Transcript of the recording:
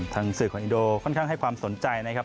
ทางสื่อของอินโดค่อนข้างให้ความสนใจนะครับ